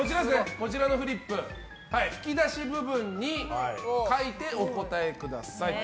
こちらのフリップの吹き出し部分に書いてお答えください。